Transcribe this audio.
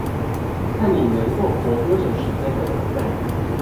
看你能夠活多久時間的挑戰